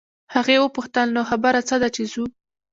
هغې وپوښتل نو خبره څه ده چې ځو.